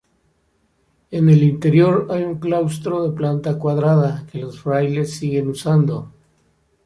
En el interior hay un claustro, de planta cuadrada, que los frailes siguen usando.